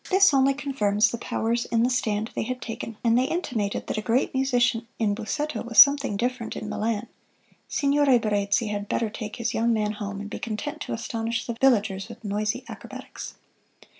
This only confirmed the powers in the stand they had taken, and they intimated that a great musician in Busseto was something different in Milan Signore Barezzi had better take his young man home and be content to astonish the villagers with noisy acrobatics.